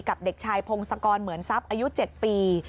กับเด็กชายพงศ์สะกอนเหมือนทรัพย์อายุ๗ปี